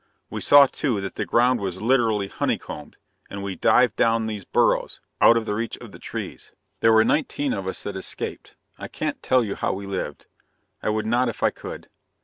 We saw, too, that the ground was literally honeycombed, and we dived down these burrows, out of the reach of the trees. "There were nineteen of us that escaped. I can't tell you how we lived I would not if I could.